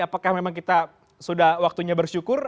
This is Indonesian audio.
apakah memang kita sudah waktunya bersyukur